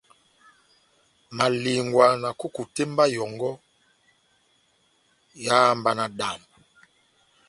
Malingwa na kukutemba yɔngɔ eháhá mba náhádambo.